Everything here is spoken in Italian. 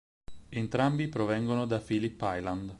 Entrambi provengono da Phillip Island.